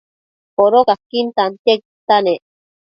Codocaquin tantiaquidta nec